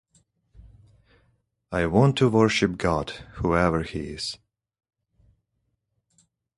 I want to worship God, whoever He is.